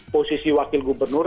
posisi wakil gubernur